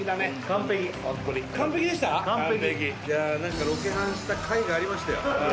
完璧いやなんかロケハンしたかいがありましたよ